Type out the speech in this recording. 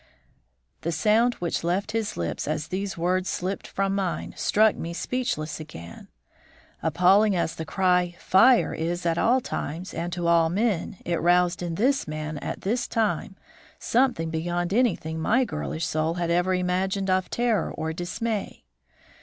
The sound which left his lips as these words slipped from mine struck me speechless again. Appalling as the cry "Fire!" is at all times and to all men, it roused in this man at this time something beyond anything my girlish soul had ever imagined of terror or dismay.